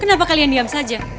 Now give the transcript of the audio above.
kenapa kalian diam saja